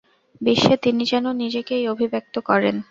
বিশ্বে তিনি যেন নিজেকেই অভিব্যক্ত করেন।